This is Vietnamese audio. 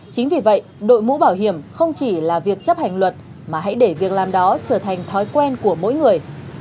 chính vì vậy đội mũ bảo hiểm không chỉ là việc chấp hành luật mà hãy để việc làm đó trở thành thói quen của mỗi người